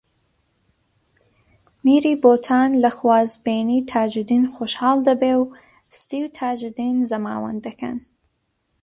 میری بۆتان لە خوازبێنیی تاجدین خۆشحاڵ دەبێ و ستی و تاجدین زەماوەند دەکەن